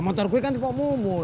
motor gue kan di pak mumur